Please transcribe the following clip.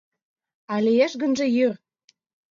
А лиеш гынже йӱр?